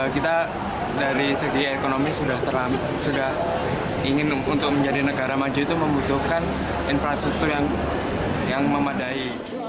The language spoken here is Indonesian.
kita dari segi ekonomi sudah ingin untuk menjadi negara maju itu membutuhkan infrastruktur yang memadai